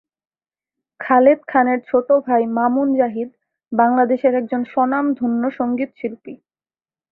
খালেদ খানের ছোট ভাই মামুন জাহিদ বাংলাদেশের একজন স্বনামধন্য সঙ্গীত শিল্পী।